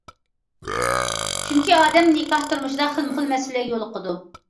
چۈنكى ئادەم نىكاھ تۇرمۇشىدا خىلمۇخىل مەسىلىلەرگە يولۇقىدۇ.